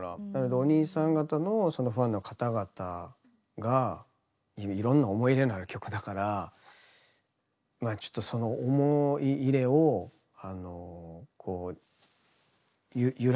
お兄さん方のそのファンの方々がいろんな思い入れのある曲だからまあちょっとその思い入れをこう揺らすことなく。